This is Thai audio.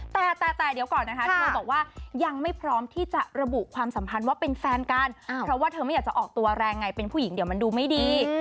แต่แต่เดี๋ยวก่อนนะคะเธอบอกว่ายังไม่พร้อมที่จะระบุความสัมพันธ์ว่าเป็นแฟนกันเพราะว่าเธอไม่อยากจะออกตัวแรงไงเป็นผู้หญิงเดี๋ยวมันดูไม่ดี